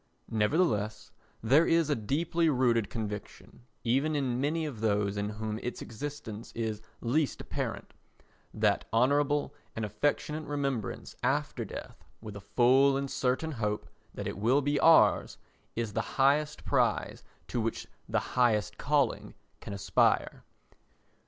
Nevertheless there is a deeply rooted conviction, even in many of those in whom its existence is least apparent, that honourable and affectionate remembrance after death with a full and certain hope that it will be ours is the highest prize to which the highest calling can aspire.